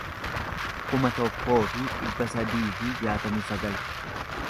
kuma tokkoo fi dhibba sadii fi jaatamii sagal